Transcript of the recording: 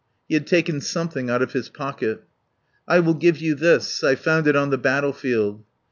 He had taken something out of his pocket. "I will give you this. I found it on the battlefield."